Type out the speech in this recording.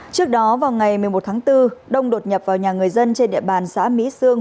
trước đó vào ngày một mươi một tháng bốn đông đột nhập vào nhà người dân trên địa bàn xã mỹ sương